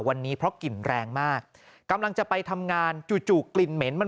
วันนี้เพราะกลิ่นแรงมากกำลังจะไปทำงานจู่จู่กลิ่นเหม็นมัน